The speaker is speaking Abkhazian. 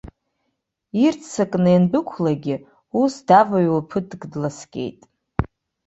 Ирццакны иандәықәлагьы, ус даваҩуа ԥыҭк дласкьеит.